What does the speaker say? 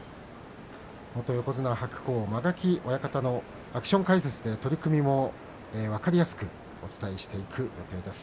元横綱白鵬間垣親方のアクション解説で取組も分かりやすくお伝えしていく予定です。